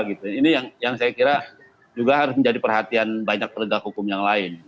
ini yang saya kira juga harus menjadi perhatian banyak penegak hukum yang lain